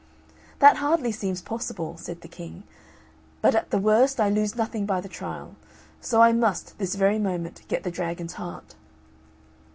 "That hardly seems possible," said the King, "but at the worst I lose nothing by the trial; so I must, this very moment, get the dragon's heart."